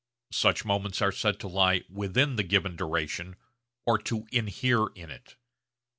Such moments are said to lie 'within' the given duration or to 'inhere' in it.